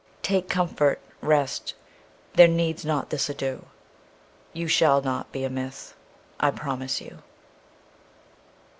Take comfort; rest—there needs not this ado. You shall not be a myth, I promise you.